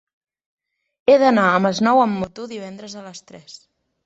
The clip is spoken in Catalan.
He d'anar al Masnou amb moto divendres a les tres.